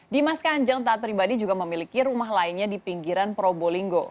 dimas kanjeng taat pribadi juga memiliki rumah lainnya di pinggiran probolinggo